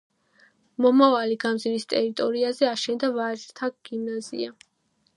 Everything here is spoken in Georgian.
მომავალი გამზირის ტერიტორიაზე აშენდა ვაჟთა გიმნაზია.